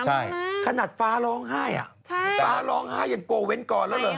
ใช่ขนาดฟ้าร้องไห้อ่ะฟ้าร้องไห้อย่างโกเว้นก่อนแล้วเหรอ